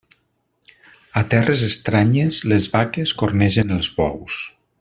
A terres estranyes, les vaques cornegen els bous.